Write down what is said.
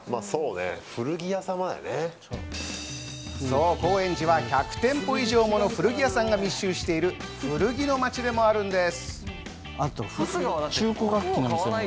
そう、高円寺は１００店舗以上もの古着屋さんが密集している古着の街でもあるんです。